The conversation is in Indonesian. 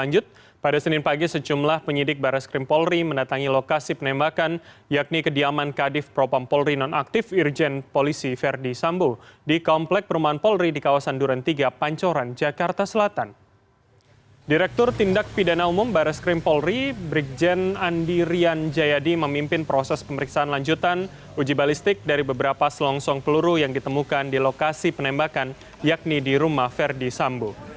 jen andirian jayadi memimpin proses pemeriksaan lanjutan uji balistik dari beberapa selongsong peluru yang ditemukan di lokasi penembakan yakni di rumah verdi sambo